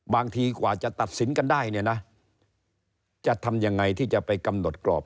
บางทีกว่าจะตัดสินกันได้จะทำยังไงที่จะไปกำหนดกรอบ